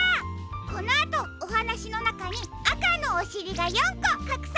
このあとおはなしのなかにあかのおしりが４こかくされているよ。